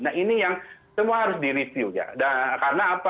nah ini yang semua harus direview ya